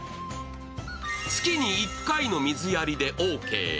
月に１回の水やりでオーケー。